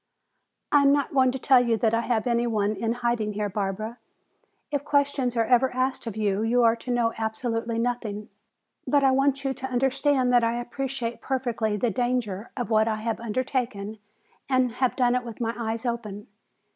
"I am not going to tell you that I have any one in hiding here, Barbara. If questions are ever asked of you, you are to know absolutely nothing. But I want you to understand that I appreciate perfectly the danger of what I have undertaken and have done it with my eyes open.